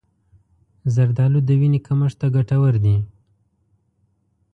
زردآلو د وینې کمښت ته ګټور دي.